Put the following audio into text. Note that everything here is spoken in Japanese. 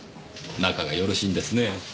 仲がよろしいんですね。